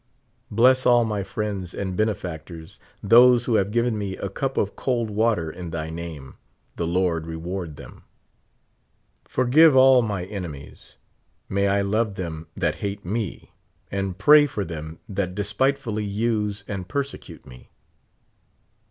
Bless all mj^ friends and benefactors — those who have given me a cup of cold water in thy name, the Lord reward them. Forgive all my enemies. May I love them that hate me, and pray for them that despitefully use and i)ersecute me.